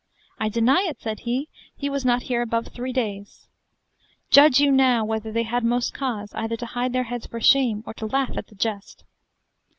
I deny it, said he, he was not here above three days. Judge you now, whether they had most cause, either to hide their heads for shame, or to laugh at the jest.